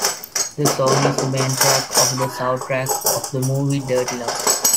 The song is the main track of the soundtrack of the movie "Dirty Love".